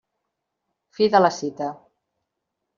Fi de la cita.